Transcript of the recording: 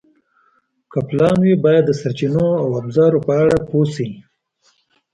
که پلان وي، باید د سرچینو او ابزارو په اړه پوه شئ.